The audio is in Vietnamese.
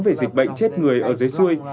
về dịch bệnh chết người ở giới xuôi